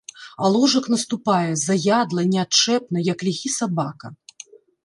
А ложак наступае, заядла, неадчэпна, як ліхі сабака.